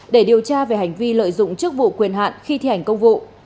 để điều tra về hành vi lợi dụng chức vụ quyền hạn khi thi hành công vụ